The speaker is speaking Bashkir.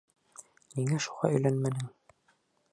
Ниңә шуға өйләнмәнең?